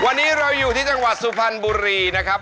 วันนี้เราอยู่ที่จังหวัดสุพรรณบุรีนะครับ